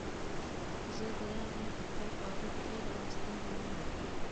زۀ د يار غم په خپل قابو کښې راوستل غواړمه